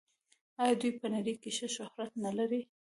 آیا دوی په نړۍ کې ښه شهرت نلري؟